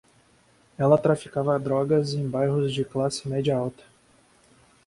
Ela traficava drogas em bairros de classe média alta